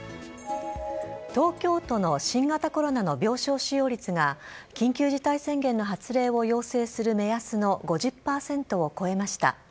東京都の新型コロナの病床使用率が、緊急事態宣言の発令を要請する目安の５０％を超えました。